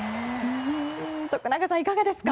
徳永さん、いかがですか？